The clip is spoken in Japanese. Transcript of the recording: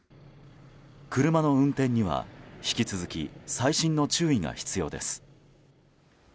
車の運転には引き続き細心の注意が必要です。